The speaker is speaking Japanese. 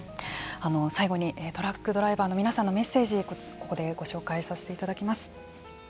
最後にトラックドライバーの皆さんのメッセージここでご紹介させていただきます。